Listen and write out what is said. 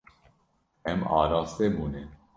Em araste bûne.